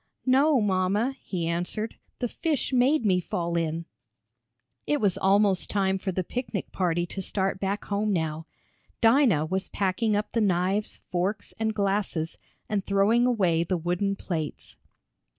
"No, mamma," he answered. "The fish made me fall in." It was almost time for the picnic party to start back home now. Dinah was packing up the knives, forks, and glasses, and throwing away the wooden plates.